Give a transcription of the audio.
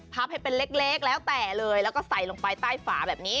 ให้เป็นเล็กแล้วแต่เลยแล้วก็ใส่ลงไปใต้ฝาแบบนี้